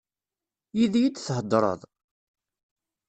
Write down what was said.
Yid-i i d-theddreḍ?